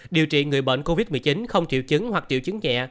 điều trị người bệnh covid một mươi chín không triệu chứng hoặc triệu chứng nhẹ